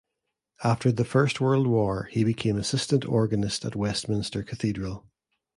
After the First World War he became assistant organist at Westminster Cathedral.